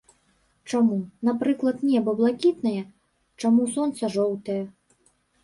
Чаму, напрыклад, неба блакітнае, чаму сонца жоўтае.